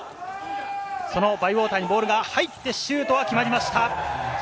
バイウォーターにボールが入ってシュートが決まりました。